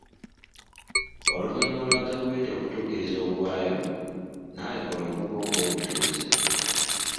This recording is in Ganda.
Oluvannyuma lwa gavumenti okutuukiriza ogwayo, naawe kola ogugwo ng'omutuuze.